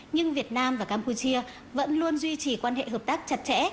nhưng việt nam và campuchia vẫn luôn duy trì quan hệ hợp tác chặt chẽ